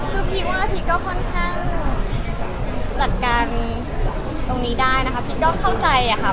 คือพีคว่าพีคก็ค่อนข้างจัดการตรงนี้ได้นะคะพีชก็เข้าใจอะค่ะ